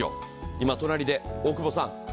今隣で大久保さん。